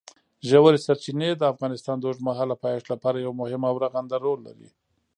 ژورې سرچینې د افغانستان د اوږدمهاله پایښت لپاره یو مهم او رغنده رول لري.